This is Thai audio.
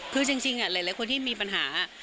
คือจริงหลายคนที่มีปัญหา